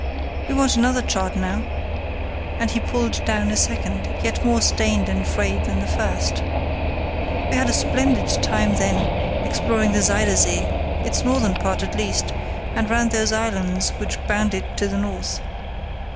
"We want another chart now," and he pulled down a second yet more stained and frayed than the first. "We had a splendid time then exploring the Zuyder Zee, its northern part at least, and round those islands which bound it on the north.